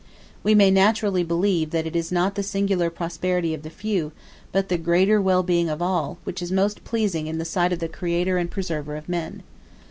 We may naturally believe that it is not the singular prosperity of the few, but the greater well being of all, which is most pleasing in the sight of the Creator and Preserver of men.